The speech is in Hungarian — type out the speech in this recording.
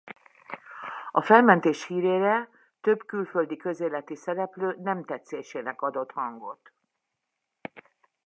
A felmentés hírére több külföldi közéleti szereplő nemtetszésének adott hangot.